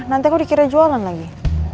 nanti aku dikira jualan lagi